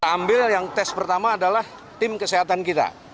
ambil yang tes pertama adalah tim kesehatan kita